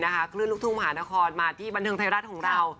คลื่นลูกทุ่งมหานครมาที่บันเทิงไทยรัฐของเรา